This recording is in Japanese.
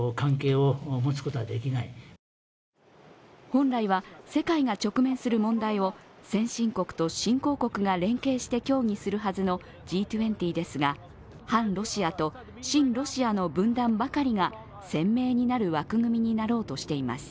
本来は世界が直面する問題を先進国と新興国が連携して協議するためのＧ２０ですが反ロシアと親ロシアの分断ばかりが鮮明になる枠組みになろうとしています。